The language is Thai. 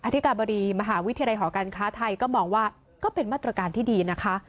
ธิกาบดีมหาวิทยาลัยหอการค้าไทยก็มองว่าก็เป็นมาตรการที่ดีนะคะ